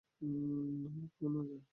নানা, কেমন আছো?